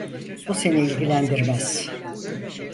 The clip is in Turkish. Bu seni ilgilendirmez.